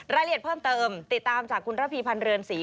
รายละเอียดเพิ่มเติมติดตามจากคุณระพีพันธ์เรือนศรี